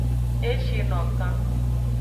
E shi no kan.